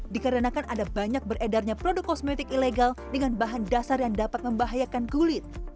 dikarenakan ada banyak beredarnya produk kosmetik ilegal dengan bahan dasar yang dapat membahayakan kulit